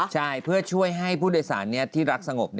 ใช่เพื่อช่วยให้ผู้โดยสารที่รักสงบ